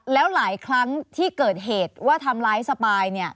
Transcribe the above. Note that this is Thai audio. แล้วหลายครั้งที่เกิดเหตุว่าทำร้ายสปาย